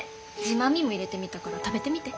ジーマミーも入れてみたから食べてみて。